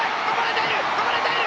こぼれている。